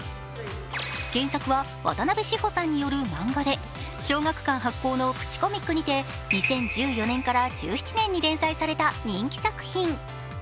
原作はわたなべ志穂さんによる漫画で小学館発行の「プチコミック」によって２０１４年から１７年に連載された人気作品。